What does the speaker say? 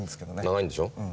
長いんでしょ？